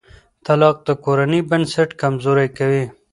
طلاق د کورنۍ بنسټ کمزوری کوي.